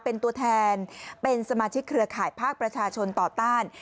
เป็นตัวแทนเป็นสมาชิกเครือข่ายภาคประชาชนต่อต้าน